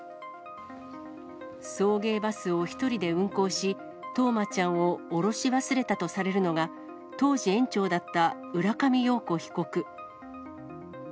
送迎バスを１人で運行し、冬生ちゃんを降ろし忘れたとされるのが、当時園長だった、浦上陽子被告。